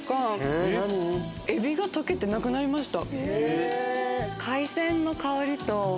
海老がとけてなくなりました。